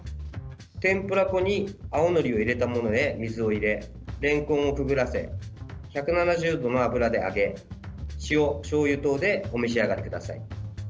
天ぷら粉に青のりを入れたものへ水を入れ、れんこんをくぐらせ１７０度の油で揚げ塩、しょうゆ等でお召し上がりください。